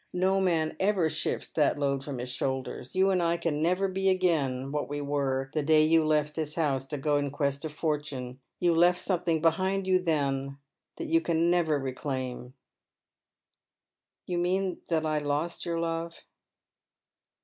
No man ever shifts tliat load from hia ijlioulders. You and I can never be again what we were the day you left tliis house to go in quest of fortune. You left eome Uiing behind you then that you can never reclaim." ■* You mean that I lost your love